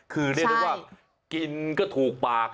คือเรียกได้ว่ากินก็ถูกปาก